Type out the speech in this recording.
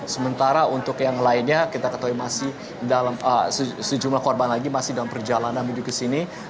sementara untuk yang lainnya kita ketahui masih dalam sejumlah korban lagi masih dalam perjalanan menuju ke sini